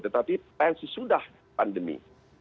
tetapi plan sudah pandemi